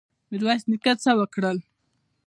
میرویس نیکه څه وکړل؟